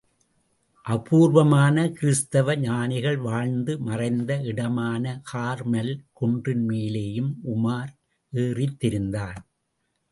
அபூர்வமான கிருஸ்தவ ஞானிகள் வாழ்ந்து மறைந்த இடமான கார்மல் குன்றின்மேலேயும் உமார் ஏறித்திரிந்தான்.